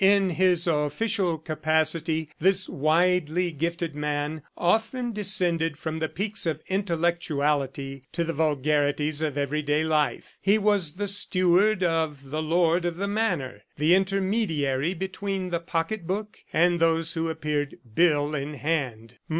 In his official capacity, this widely gifted man often descended from the peaks of intellectuality to the vulgarities of everyday life. He was the steward of the lord of the manor, the intermediary between the pocketbook and those who appeared bill in hand.